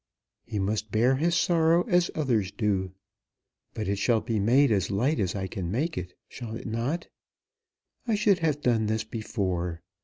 "He must bear his sorrow as others do." "But it shall be made as light as I can make it, shall it not? I should have done this before.